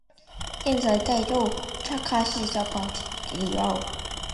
现在太冷，你夏天到我们这里来。